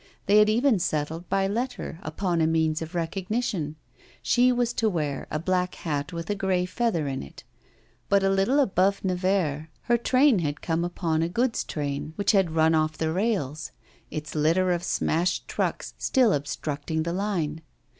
They had even settled by letter upon a means of recognition. She was to wear a black hat with a grey feather in it. But, a little above Nevers, her train had come upon a goods train which had run off the rails, its litter of smashed trucks still obstructing the line.